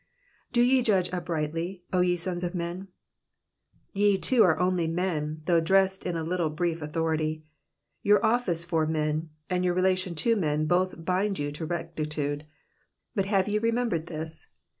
i>t? ye judge uprigJUly^ 0 ye sons of menV'* Ye too are only men though dressed in a little brief authority. Tour office for men, and your relation to men both bind you to rectitude ; but have ye remembered this